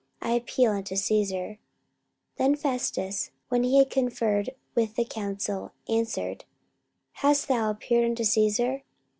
I appeal unto Caesar. 44:025:012 Then Festus, when he had conferred with the council, answered, Hast thou appealed unto Caesar?